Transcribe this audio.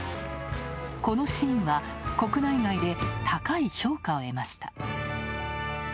このシーンは、国内外で高い評価を得ました。